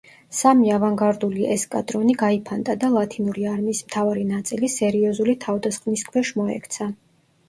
სამი ავანგარდული ესკადრონი გაიფანტა და ლათინური არმიის მთავარი ნაწილი სერიოზული თავდასხმის ქვეშ მოექცა.